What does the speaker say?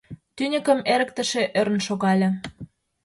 Тӱньыкым эрыктыше ӧрын шогале.